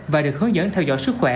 và được hướng dẫn theo dõi sức khỏe